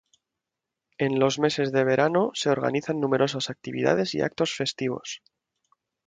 En los meses de verano, se organizan numerosas actividades y actos festivos.